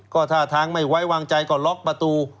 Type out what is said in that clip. ก็ท่าทางไม่ไว้วางใจก็ล็อกประตู